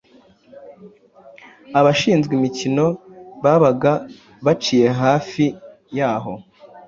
abashinzwe imikino babaga bicaye hafi y’aho